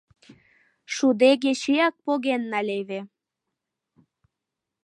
Шудегечеак поген налеве.